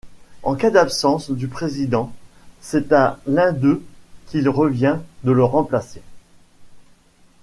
En cas d'absence du président, c'est à l'un d'eux qu'il revient de le remplacer.